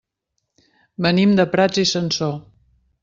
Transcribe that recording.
Venim de Prats i Sansor.